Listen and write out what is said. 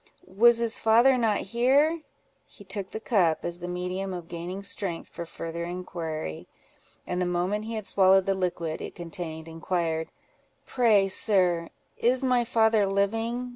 Was his father not here?" He took the cup, as the medium of gaining strength for farther inquiry; and the moment he had swallowed the liquid it contained, inquired—"Pray, sir, is my father living?